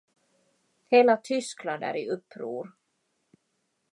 Hela Tyskland är i uppror.